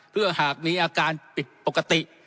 เพื่อหากมีอาการผิดปกติ